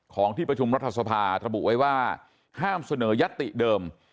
ที่ประชุมรัฐสภาระบุไว้ว่าห้ามเสนอยัตติเดิม